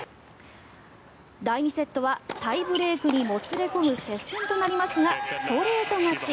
第２セットはタイブレークにもつれ込む接戦となりますがストレート勝ち。